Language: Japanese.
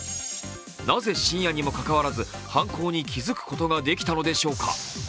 なぜ深夜にもかかわらず犯行に気付くことができたのでしょうか。